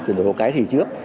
chuyển đổi số cái thì trước